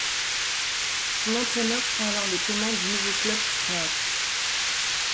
Son entraîneur prend alors les commandes du nouveau club croate.